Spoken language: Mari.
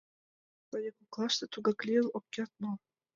— Кресаньык коклаште тугак лийын ок керт мо?